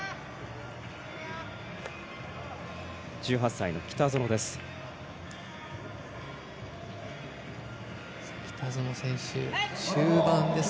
１８歳の北園です。